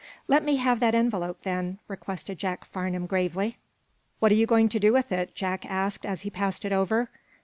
"Let me have that envelope, then," requested Jacob Farnum, gravely. "What are you going to do with it, sir?" Jack asked, as he passed it over.